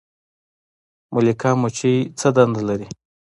ملکه مچۍ څه دنده لري؟